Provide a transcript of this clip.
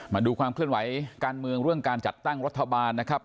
มาดูความเคลื่อนไหวการเมืองเรื่องการจัดตั้งรัฐบาลนะครับ